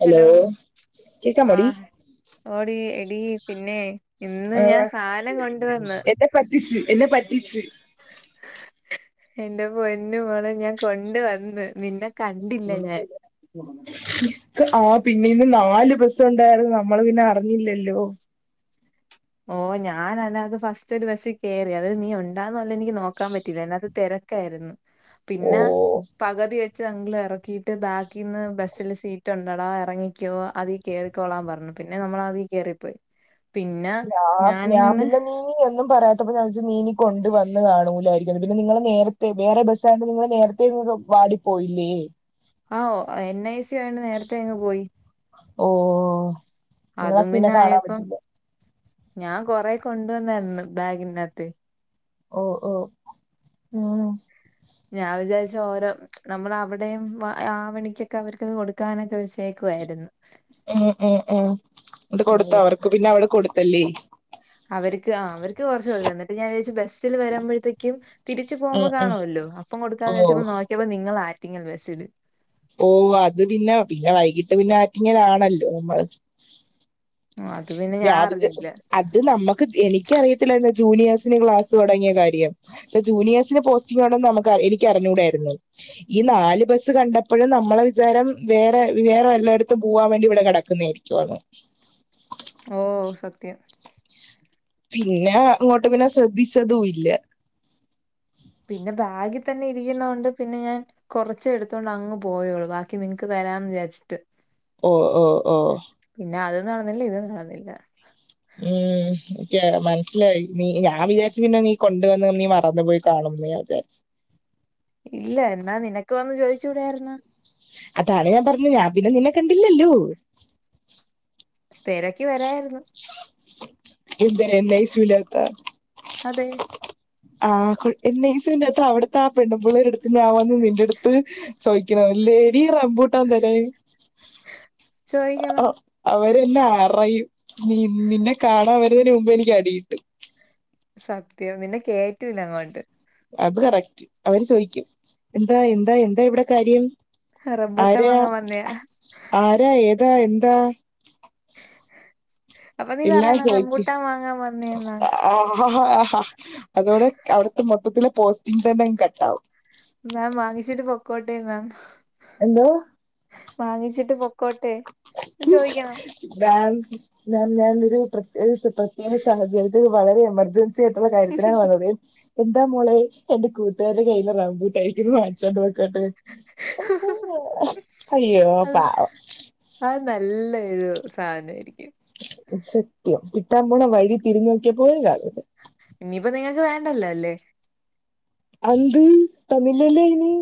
Hello കേക്കാമോടി. ആഹ് ഓടി എടി പിന്നെ ഇന്ന് ആ ഞാൻ സാനം കൊണ്ടുവന്ന്. എന്നെ പറ്റിച്ച് എന്നെ പറ്റിച്ച്. എന്റെപൊന്നുമോളെ ഞാൻകൊണ്ട് വന്ന് നിന്റെ. ഉള്പ്പില്യാ. ആ പിന്നെയിന്ന് നാല്ബസൊണ്ടായിരുന്ന് നമ്മള്പിന്നെ അറിഞ്ഞില്ലല്ലോ. ഓ ഞാനയിനാത്ത് ഫസ്റ്റ് ഒരു ബസ്സിക്കേറി അത് നീ ഉണ്ടാവോ ഇല്ലെന്നിളത് ഇനിക്ക് നോക്കാൻപറ്റീല്ല അതിനാത്ത്തെരക്കായിരുന്ന്. ഓ പിന്നെ. പകതിവെച്ച് അങ്കിൾ എറക്കിട്ട് ബാക്കിന്ന് ബസ്സില്സീറ്റൊണ്ടെടാ എറങ്ങിക്കോ അതി. കേറിക്കോളാൻ പറഞ്ഞു പിന്നെ നമ്മളാതീകേറിപ്പോയി പിന്നെ. ഞാ ഞാൻ ഞാനിന്ന് പിന്നെനീ. നീയൊന്നും പറയാത്തപ്പോ ഞാൻവെച്ച് നീ ഇനി കൊണ്ട് വന്ന് കാണൂലായിരിക്കുംഅത്പിന്നെ നിങ്ങൾ നേരത്തെ വേറെ ബസ്സയൊണ്ട്‌ നിങ്ങള് നേര. ഇന്നും വാടി പോയില്ലേ. ആഹ് ഒ എൻ ഐ സി ആയോണ്ട് നേരത്തെ അങ്ങ്പോയി. ഓഹ്. അതും പിന്നെ ആയപ്പം ഞാൻ കൊറെ കൊണ്ടുവന്നായിരുന്നു ബാഗിനാത്തെ. ഓ ഓ ഉം. ഞാൻ വിചാരിച്ചോരോ നമ്മളവിടെയം ആവണിക്കൊക്കെ അവർക്ക് കൊടുക്കാനൊക്കെവെച്ച്. കേക്കുവായിരുന്ന്. ഉം ഉം ഉം ന്നിട്ട് കൊടുത്തോ അവർക്ക് പിന്നെ അവിടെ കൊടുത്തല്ലേ. അവരിക്ക് ആ അവർക്ക് കൊറച് കൊടുത്തു എന്നിട്ട് ഞാൻ വേച്ചു ബസ്സ് ബസിൽ വരുമ്പഴ്ത്തേക്കും തിരിച്ച് ഉം പോവുമ്പോ ഉം കാണുവല്ലോ അപ്പം ഓ കൊടുക്കാന്ന് വെച്ചപ്പ നോ ഇപ്പം നിങ്ങളാറ്റിങ്ങൽ ബസ്സില് ഓ അത് പിന്ന പിന്ന വൈകിട്ട് പിന്ന ആറ്റിങ്ങലാണല്ലോ നമ്മള് അത് പിന്നെ ഞാൻ ഇത്‌ അറിഞ്ഞില്ല അത് നമ്മക്ക് എനിക്കറിയത്തില്ലര്ന്ന് ജൂനിയേഴ്സിന് ക്ലാസ്സ് തൊടങ്ങിയ കാര്യം ജൂനിയേഴ്സിന് പോസ്റ്റിംഗ് ആണെന്ന്ള്ള നമക്ക് എനിക്ക് അറിഞ്ഞൂടായിര്ന്ന് ഈ നാല് ബസ്സ് കണ്ടപ്പഴും നമ്മള വിചാരം വേറെ വേറെ വല്ലടത്തും പോവാൻ വേണ്ടി ഇവടെ കെട ക്കുന്നേരിക്കുവാണോ? ഓഹ് സത്യം. പിന്നേ അങ്ങോട്ട് പിന്ന ശ്രദ്ധിച്ചതൂ ഇല്ല. പിന്നേ ബാഗി ത്തന്നെ ഇരിക്കുന്നോണ്ട് പിന്നെ ഞാൻ കൊറച്ചേ എടുത്തോണ്ട് അങ്ങ് പോയോളു ബാക്കി നിൻക്ക് തരാന്ന് വിചാരിച്ചിട്ട്. ഓഹ് ഓഹ് ഓഹ്. പിന്നെ അതും നടന്നില്ല ഇതും നടന്നില്ല. ഏഹ് ൻക്ക് മൻസ്സിലായി നീ ഞാൻ വിചാരിച് പിന്ന നീ കൊണ്ടുവന്ന് നീ മറന്നുപോയി കാണുംന്ന് ഞാൻ വിചാരിച് ഇല്ല എന്നാ നിനക്ക് വന്ന് ചോയിച്ചൂടേര്ന്നോ അതാണ് ഞാൻ പർഞ്ഞ ഞാൻ പിന്ന നിന്നെ കണ്ടില്ലല്ലോ. തെരക്കി വരായ്ര്ന്നു. എന്തര് എൻ ഐ സ്യു ലാത്ത ഹതെ. ആഹ് കൊ എൻ ഐ സ്യുന്റാത്ത് അവിടുത്ത ആ പെണ്ണുംപുള്ളേടടുത്ത് ഞാൻ വന്നു നിന്റട്ത്ത് ചോയ്ക്കണോ ല്ലേഡീ റംപൂട്ടാൻ തരാൻ ചോദിക്കണം അവരെന്ന അറയും. നീ നിന്നെ കാണാൻ വരുന്നേന് മുമ്പ് എനിക്ക് അടികിട്ടും. സത്യം പിന്നെ കേറ്റൂല്ല അങ്ങോട്ട്. അത് കറക്റ്റ് അവര് ചോയിക്കും എന്താ യെന്താ യെന്താ ഇവട കാര്യം. റംബൂട്ടാൻ ആരാ വാങ്ങാൻ വന്നയാ ആരാ ഏതാ എന്താ അപ്പൊ നീ എല്ലാം പറയണം ചോയ്ക്കും റംബൂട്ടാൻ വാങ്ങാൻ വന്നയാ മാം ആഹ് അതോടെ അവ്ടുത്ത മൊത്തത്തിലെ പോസ്റ്റിങ് തന്നെങ്ങ് കട്ടാവും. മാം വാങ്ങിച്ചിട്ട് പൊക്കോട്ടെ മാം എന്തോ വാങ്ങിച്ചിട്ട് പൊക്കോട്ടെ ന്ന് ചോയിക്കണം. മാം മാം ഞാനൊരു പ്രത്യേക സ പ്രത്യേക സാഹചര്യത്തിൽ വളരെ എമർജൻസി ആയി ട്ടുള്ള കാര്യത്തിനാണ് വന്നത്. എന്താ മോളെ എന്റെ കൂട്ടുകാരിടെ കയ്യീല് റംബൂ കയ്ക്കിന്ന് വാൻച്ചോണ്ട് പൊക്കോട്ടെ അയ്യോ അത് പാവം അത് നല്ലെയൊരു സാനാരിക്കും. സത്യം കിട്ടാൻ പോണ വഴി തിരിഞ്ഞോക്കിയപ്പോലും കാണൂല. ഇഞ്ഞിപ്പൊ നിങ്ങക്ക് വേണ്ടല്ലോ അല്ലേ. അന്ത് തന്നില്ലല്ലോ അയിന്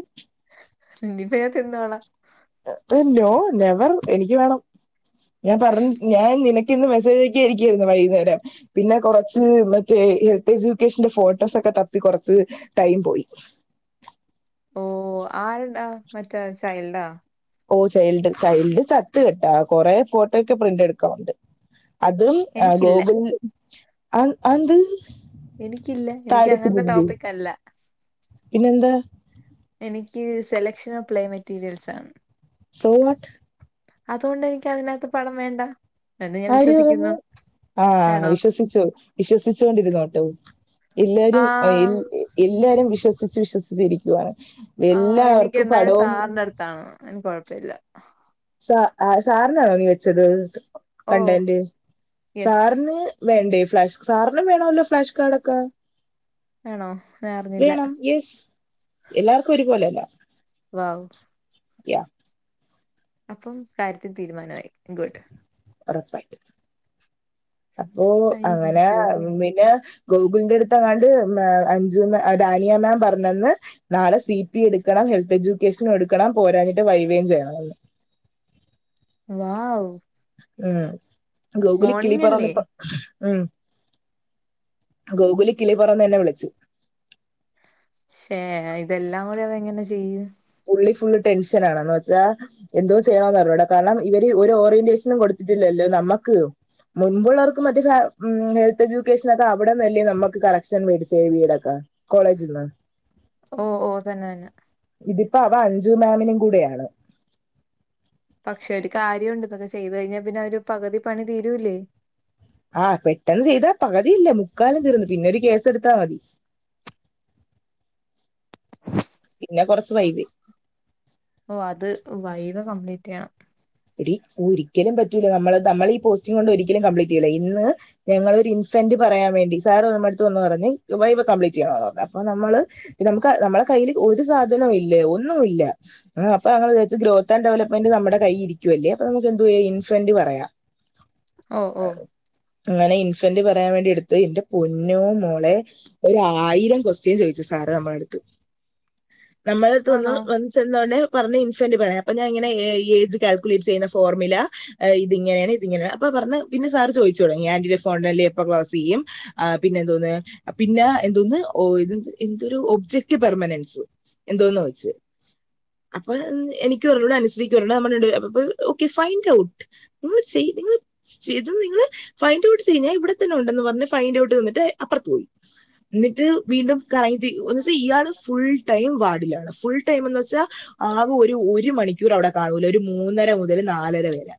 ഇഞ്ഞ്പ്പ ഞാൻ തിന്നോള നോ നെവർ എനിക്ക് വേണം. ഞാൻ പറ ഞാൻ നിന ക്കിന്ന് മെസ്സേജ് അയക്കായിരിക്കേര്ന്ന് വൈകുന്നേരം പിന്ന കൊറച്ച് മറ്റേ ഹെൽത്ത് എജ്യൂക്കേഷന്റെ ഫോട്ടോസൊക്കെ തപ്പി കൊർച്ച് ടൈം പോയി. ഓഹ് ആര്ണ്ട മറ്റേ ചൈൽഡാ? ഓഹ് ചൈൽഡ് ചൈൽഡ് ചത്ത് കെട്ടാ. കൊറെ ഫോട്ടോയൊക്കെ പ്രിന്റ് എടുക്കാ ഉണ്ട് അതും ആഹ് എനിക്കില്ല ഗോകുൽ അ അന്ത്? എനിക്കില്ല എനിക്ക് അങ്ങൻത്ത ടോപ്പിക് അല്ല പിന്നെന്താ? എനിക്ക് സെലക്ഷൻ ഓഫ് പ്ലേ മെറ്റീരിയൽസ് ആണ്. സൊ വാട്ട് അതോണ്ടെനിക്ക് അയിനകത്ത് പണം വേണ്ട. എന്ന് ഞാൻ ആര് പറഞ്ഞു വിശ്വസിക്കുന്നു ആഹ് വേണോ വിശ്വസിച്ചു വിശ്വസിച്ചുണ്ടോരുന്നൊട്ടോ. ഇല്ലാരും ഒ ആഹ് എല്ലാരും വിശ്വസിച്ച് വിശ്വസിച്ച് ഇരിക്കുവാണ്. എല്ലാവർക്കു പണവും ത്താ അയിന് കൊഴപ്പല്ല. സ ആ സാറ്നാണോ നീ വെച്ചത്. ഓ കണ്ടന്റ് യെസ് സാറ്ന് വേണ്ടേ ഫ്ലാഷ് സാറ്ന് വേണോല്ലോ ഫ്ലാഷ് കാടൊക്കെ. വേണോ ഞാ വേണം യെസ് എല്ലാർക്കു ഒരുപോലെല്ല. വാവു യ്യാ അപ്പം കാര്യത്തിന് തീരുമാനായി. ഗുഡ് ഒറപ്പായിട്ട് അപ്പൊ അങ്ങനെ അയ്യോ പിന്നെ ഗോകുല്ന്റെടുത്തെങ്ങാണ്ട് മേ അഞ്ജു മാ [unintelligible] പറഞ്ഞന്ന്. നാളെ സി പി എടുക്കണം ഹെൽത്ത് എജുക്കേഷനെടുക്കണം. പോരാഞ്ഞിട്ട് വൈവയും ചെയ്യണന്ന്.. വാ വു. ഉം ഗോകുലി കിളി അല്ലേ പറന്നിപ്പ ഉം, ഗോകുലി കിളിപ്പറന്നന്നെ വിളിച്ചു ശേ ഹേ ഇതെല്ലാം കൂടിയതങ്ങനെ ചെയ്യും.. ഉള്ളി ഫുള്ള് ടെൻഷനാണന്ന് വെച്ചാ എന്തോ ചെയ്യണന്നർഞ്ഞുട. കാരണം ഇവര് ഒരു ഓറിന്റേഷനും കൊടുത്തിട്ടില്ലല്ലോ നമ്മക്ക്.. മുൻപുള്ളർവർക്ക് മറ്റേ സ മ്മ് ഹെൽത്ത് എജ്യൂക്കേഷനൊക്കെ അവിടന്നല്ലേ നമ്മക്ക് കലക്ഷൻ വേണ്ടി സേവയ്തക്കാൻ കോളേജിന്ന ഓ ഓ തന്നെ യന്നെ ഇതിപ്പോ അവ അഞ്ചു മേമിനി കൂടെയാണ്.. പക്ഷെ ഒരു കാര്യവുണ്ട് ഇതോക്കെ ചെയ്തുഴിഞ്ഞാ പിന്നെ അവര് പകുതി പണി തീരൂല്ലേ. ആഹ് പെട്ടെന്ന് ചെയ്താ പകുതിയില്ല മുക്കാലും തീർന്ന് പിന്നൊരു കേസെടുത്താ മതി. പിന്നെ കൊർച്ച് ആഹ് ഓ അത് വൈവ കംപ്ലീറ്റയ്യണം. എടി ഒരിക്കലും പറ്റൂല നമ്മള് നമ്മൾ ഈ പോസ്റ്റിങ്ങൊണ്ട് ഒരിക്കലും കംപ്ലീറ്റയ്യുല ഇന്ന് ഞങ്ങളൊരു ഇൻഫന്റ് പറയാൻ വേണ്ടി സാറ് നമ്മുടുത്ത് വന്ന് പറഞ്ഞ് വൈവ കംപ്ലീറ്റ്യ്യണന്ന് പറഞ്ഞു അപ്പൊ നമ്മള്. നമുക്ക് നമ്മളെ കയ്യില് ഒരു സാധനു ഇല്ല ഒന്നുല്ല അപ്പൊ അങ്ങള് വിചാർച്ച് ഗ്രോ ട്ടൻ ഡെവലപ്മെന്റ് നമ്മടെ കയിരിക്കുവല്ലേ അപ്പൊ നമുക്ക് എന്തു വെ ഇൻഫെന്റ് പറയാ ഓ ഓ അങ്ങനെ ഇൻഫന്റ് പറയാൻ വേണ്ടി ട്ത്ത് എന്റെ പൊന്നൂ മോളെ. ഒരു ആയിരം കൊസ്റ്റ്യൻ ചോയിച്ചു സാറ് അമ്മളട്ത്ത് നമ്മളട്ത്ത് ഒന്ന് ആണോ വ ചെന്നോട്നെ പറഞ് ഇൻഫന്റ് പറയാ അപ്പൊ ഞാനിങ്ങനെ എ യി ഏജ് കാൽ ക്ലിയർ ചെയ്യുന്ന ഫോർമില ഇത് ഇങ്ങനെണ് ഇത് ഇങ്ങനെണ് അപ്പ പർന്ന് പിന്നെ സാർ ചോയിചൊട്ങ്ങി ആന്റിടെ ഫോണിലല്ലേ എപ്പൊ ക്ലോസയ്യും ആഹ് പിന്നെ എന്തോന്ന് പിന്നെ എന്തോന്ന് ഒരു എന്തരു ഒബ്ജെക്ട് പെർമനൻസ് എന്തോന്നോയ്ച്ച് അപ്പൊ മ് എനിക്ക് അർനൂട അനുശ്രീകർനൂട [unintelligible] ഒ ഓക്കെ ഫൈൻഡ് ഔട്ട് നിങ്ങൾ ചെയ്യ് നിങ്ങള് ചെയ്ത് നിങ്ങള് ഫൈൻഡ് ഔട്ട് ചെയ്യ് ഞാൻ ഇവിടെത്തന്നെ ഉണ്ടന്ന് പറഞ് ഫൈൻഡൗട്ട് തന്നിട്ട് അപ്പറത്ത് പോയി. ന്നിട്ട് വീണ്ടും കൈതി [unintelligible] ഇയാള് ഫുൾ ടൈം വാടിലാണ് ഫുൾ ടൈമെന്ന് വെച്ചാ ആകെ ഒരു ഒരു മണിക്കൂർ അവിടെ കാണൂല ഒരു മൂന്നര മുതല് നാലര വെരെ ല്ല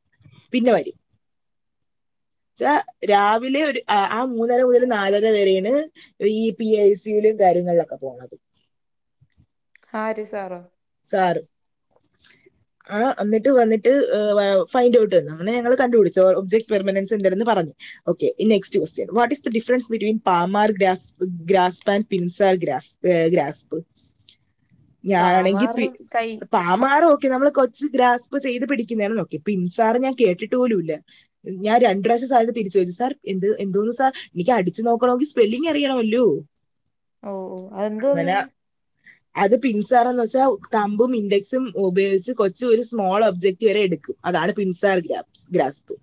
പിന്നെ വരും ച്ച രാവിലെ ഒരു ആഹ് ആ മൂന്നര മുതൽ നാലര വരെണ് ഈ പി ഐ സിയിലെ കാര്യങ്ങള് ഒക്കെ പോണത് ആര് സാറോ സാറ് [inaudible] ആഹ് എന്നിട്ട് വന്നിട്ട് ഫൈൻഡ്ഔട്ട് തന്നു. അങ്ങനെ ഞങ്ങള് കണ്ടുപിടിച്ചു ഒബ്ജെക്ട് പെർമനൻസ് എന്തന്ന് പറഞ്ഞു okay next question what is different between palmar graph grasp ബൻ പിൻസാർ ഗ്രാഫ് ഏ ഗ്രാസ്പ് [inaudible] ഞാനാണെങ്കിപ് പാമാർ കൈ പാമാമാർ ഓക്കെ നമ്മള് കൊച്ച് ഗ്രാസ്പ് ചെയ്ത് പിടിക്കുന്നത ന്നോക്കെ ഇപ്പ ഇൻസാർ ഞാൻ കേട്ടിട്ട് പോലുംല്ല. ഞാൻ രണ്ട് പ്രാവശ്യം സാർന്റട്ത് തിരിച്ച് ചോയിച്ചു, സാർ എന്ത് എന്തോന്നു സാർ ഇൻക്ക് അടിച്ചു നോക്കണോങ്കിൽ സ്പെല്ലിംഗ് അറിയണമല്ലോ ഓ ഓ അതെന്തോ അങ്ങനെ പിന്നെ അത് പിൻസാറന്ന് വെച്ച കമ്പും ഇൻഡെക്സും ഉപയോഗിച്ച് കൊച്ചു ഒരു സ്മോൾ ഒബ്ജക്റ്റ് വരെ എട്ക്കും. അതാണ് പിൻസാർ ഗ്യാഫ് ഗ്രാസ്പ്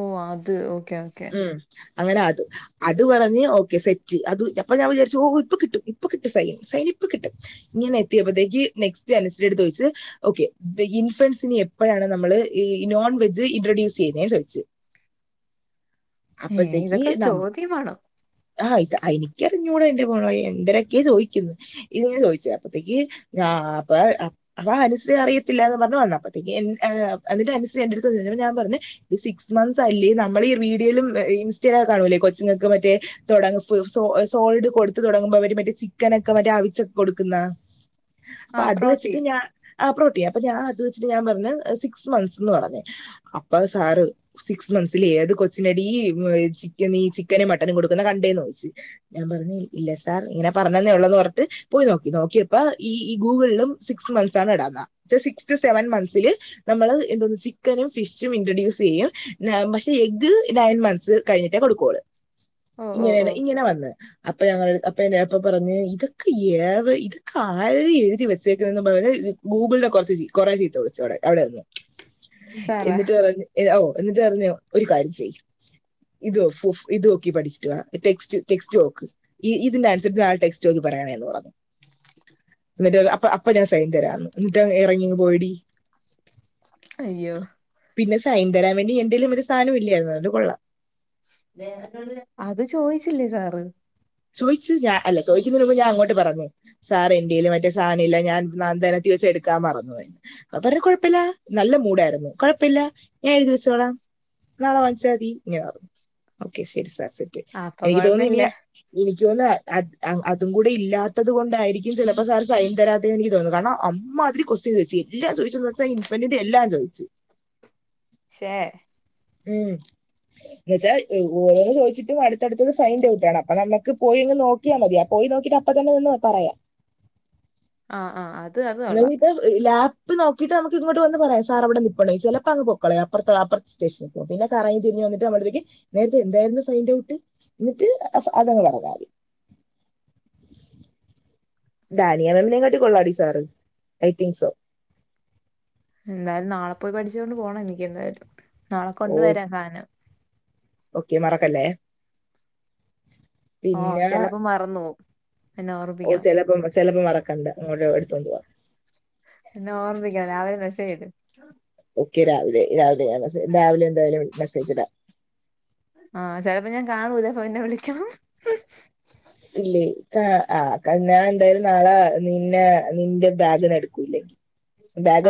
ഓ അത് ഓക്കെ ഓക്കെ ഉം അങ്ങനെ അത് അത് പറഞ്ഞ് ഓക്കെ സെറ്റ് അത് അപ്പൊ ഞാൻ വിചാരിച്ചു ഓ ഇപ്പൊ കിട്ടും ഇപ്പൊ കിട്ടും സൈൻ സൈൻ ഇപ്പ കിട്ടും ഇങ്ങനെ എത്തിയപ്പോഴത്തേക്ക് നെക്സ്റ്റ് അനുശ്രീയുടെത്ത് ചോദിച്ച് ഓക്കെ ഇൻഫൻസിന് എപ്പോഴാണ് നമ്മള് ഇ നോൺ വെജ് ഇൻട്രൊഡ്യൂസ് ചെയ്യുന്നതേ ചോദിച്ചത് ഏ അപ്പത്തേക്ക് ഇതൊക്കെ നാ ചോദ്യമാണോ ആഹ് എനിക്കറിഞ്ഞൂ എന്റെ എന്തൊരെക്കെ ചോദിക്കുന്നു ഇത്ഞ ചോദിച്ച അപ്പത്തേക്ക് ഞാ അപ്പ അപ്പൊ അനുശ്രീ അറിയത്തില്ല എന്ന് പറഞ്ഞഞ് വന്നപ്പോഴത്തേക്ക് എനീട്ട് അനുശ്രീ എന്റെറ അടുത്ത് ഞാൻ പറഞ്ഞു സിക്സ് മന്ത്സ് അല്ലേ നമ്മൾ ഈ വീഡിയോയിലും ഇൻസ്റ്റയില കാണുമല്ലേ കൊച്ചിങ്ങൾക്ക് മറ്റേ തുടങ്ങ സോ സോൾഡ് കൊടുത്ത് തുടങ്ങുമ്പോ അവര് മറ്റേ ചിക്കനൊക്കെ മറ്റേ അവിച്ചൊക്കെ കൊടുക്കുന്നാ അപ്പൊ ആ അത് വെച്ചിട്ട് പ്രോട്ടീൻ ഞാൻ ആ പ്രോട്ടീൻ അപ്പം ഞാൻ അത് വെച്ചിട്ട് ഞാൻ പറഞ്ഞ സിക്സ് മന്ത്സ് എന്ന് പറഞ്ഞ് അപ്പെ സാറ് സിക്സ് മന്ത്സിൽ ഏത് കൊ ച്ചിനടി ചിക്കൻ ഈ ചിക്കനും മട്ടനും കൊടുക്കുന്ന കണ്ടേനോയിച്ചു ഞാൻ പറഞ്ഞ ഇല്ല സാർ ഇങ്ങനെ പറഞ്ഞനെ ഉള്ളത് പറഞിട്ട് പോയി നോക്കി നോക്കിയപ്പ ഈ ഈ ഗൂഗിളിലും സിക്സ് മന്ത്സ്ണ് ഇടാന്ന സിക്സ് ടു സെവൻ മന്ത്സില് നമ്മള് എന്തോന്നു ചിക്കനും ഫിഷും ഇൻട്രൊഡ്യൂസ് ചെയ്യും പക്ഷെ എഗ് നയൻ മന്ത്സ് കഴിഞ്ഞിട്ടേ കൊടുക്കുവളു ഓ ഓ ഇങ്ങനെയ ഓ ഇങ്ങനെ വന്ന് അപ്പൊ ഞങ്ങ അപ്പ എ എപ്പ പറഞ്ഞ് ഇതൊക്കെ ഏവ ഇത് ആര് എഴുതി വെച്ചേക്കുന്നന്ന് പറഞ്ഞു ഗൂഗിളിനെ കുറച്ച് ചീ കുറെ ചീത്ത വിളിച്ചു അവിടെ അവിടെന്ന് ശ [unintelligible] എന്നിട്ട് പറഞ്ഞ് എ ഓ എന്നിട്ട് പറഞ്ഞ് ഒരു കാര്യം ചെയ്യും ഇത് ഫു ഫു ഇത് നേക്കി പഠിച്ചിട്ട് വാ ടെസ്റ്റ് ടെക്സ്റ്റ് വോക്ക് ഇതിന്റെ ആൻസർ നാളെ ടെക്സ്റ്റ് നേക്കി പറയണേ എന്ന് പറഞ്ഞു എന്നിട്ട് അപ്പ അപ്പ ഞാൻ സൈന് തരാന്ന് എന്നിട്ട ഇറങ്ങിങ് പോയിടി അയ്യോ പിന്നെ സൈൻ തരാൻ വേണ്ടി എന്തേലും ഒരു സാധനം ഇല്ലായിരുന്നു അന്റെ കൊള്ളാം അത് ചോയിച്ചില്ലേ സാറ് ചോയിച്ച് ഞാ അല്ല ചോദിക്കുന്നുമ്പ് ഞാൻ അങ്ങോട്ട് പറഞ്ഞു സാർ എന്റെയിൽ മറ്റേ സാനില്ല ഞാൻ നാതനെത്തിൽ വെച്ച് എടുക്കൻ മറന്നു പോയി അപ്പം പറഞ്ഞു കുഴപ്പില്ല നല്ല മൂടായിരുന്നു കൊഴപ്പില്ല ഞാൻ എഴുതി വെച്ചോളാം നാളെ വാങ്ങിച്ചാൽ മതി ഇങ്ങനെ ഓക്കെ ശരി സാർ സെറ്റ് ആ, അപ്പൊ എനിക്ക് തോന്നി ഇനി കൊഴപ്പില്ല എനിക്ക് തേന്ന അതും കൂടി ഇല്ലാത്തത് കൊണ്ടായിരിക്കും ചിലപ്പോ സാർ സൈൻ തരാത്തന്ന് എനിക്ക് തോന്നുന്നു കാരണം അമ്മാ ഒരു ക്വസ്റ്റ്യൻ ചോദിച്ചു എല്ലാം ചോദിച്ചു വെച്ചാ ഇൻഫണ്ടിന്റെ എല്ലാം ചോദിച്ചു ക്ഷെ ഉം എന്ന് വെച്ചാ ഓരോന്ന് ചോദിച്ചിട്ടും അടുത്തടുത്തത് സായിന്റ് ഔട്ടാണം നമുക്ക് പോയി നോ ക്കിയാ മതി പോയി നോക്കിട്ട് അപ്പതന്നെന് ചെന്ന് പറയാം ആഹ് ആഹ് അ എന്നിട്ട് ലാപ്പ്നോകിട്ട് നമക്ക് ഇങ്ങോട്ട് വന്നുപറയാം സാർ അവിടെ നിൽപ്പോടെന്ന് ചിലപ്പോ അങ് പോയ്ക്കളേയ് അപ്പുറത്ത് അപ്പറ സ്റ്റേഷനിൽ പോവും പിന്നെ കറങ്ങി തിരിഞ് വന്നിട്ട് നമ്മുടെ അടുത്തേക്ക് നേരത്തെ എന്തായിരുന്നു ഫൈൻറ് ഔട്ട് എന്നിട്ട് അതങ്ങ് പറഞാ മതി ഡാനിയ മാമ്മ്നെ കാട്ടിലും കൊള്ളാടി സാറ് ഐതിങ്ക്സോ എന്തായാലും നാളെ പോയി പഠിച്ചുകൊണ്ട് പോണം എനിക്ക് എന്തായാലും നാളെ ഓ കൊണ്ട് വരാം സാധനം ഓക്കെ മറക്കല്ലേ ഓഹ് പിന്നെ ചിലപ്പോ മറന്നു പോവും എന്നെ ഓർമ്മിപ്പിക്കണം ഓഹ്ചിലപ്പം ചിലപ്പോം മറക്കണ്ട അങ്ങോട്ട് എടുത്തോണ്ട് വാ എന്നാ ഓർമ്മിക്ക് രാവിലെ മെസ്സജ് ഇട് ഓക്കെ രാവിലെ രാവിലെ ഞാൻ രാവിലെ എന്തായാലും മെസ്സേജ് ഇടാം ആഹ് ചിലപ്പോ ഞാൻ കാണൂല്ല പ്പൊ എന്നെ വിളിക്കണം ഇല്ലേ ആഹ് ആഹ് ഞാൻ എന്തായാലും നാളെ നിന്നെ നിന്റെ ബാഗിനെടുക്കൂല്ലെങ്കിൽ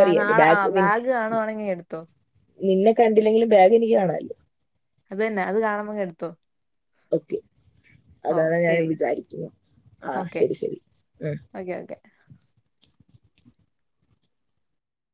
ആ നാളെ ആ ബാഗ് മി കാണുവാണെങ്കി എടുത്തോ നിന്നെ കണ്ടില്ലെങ്കിലും ബാഗ് എനിക്ക് കാണല്ലോ അത് ന്നെ അത് കാണുമ്പോ എടുത്തോ ഓക്കെ ഓ അതാണ് ശരി ഞാനും വിചാരിക്കുന്നു ഓക്കെ ആഹ് ശരി ശരി ഉമ് ഓക്കെ ഓക്കെ ആഹ്